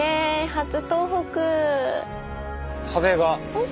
初東北。